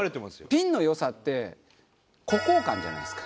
ピンの良さって「孤高感」じゃないですか。